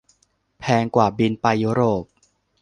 แพงกว่าบิน ไปยุโรป